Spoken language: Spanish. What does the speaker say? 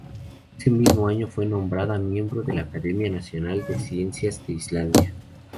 Ese mismo año fue nombrada miembro de la Academia Nacional de Ciencias de Islandia.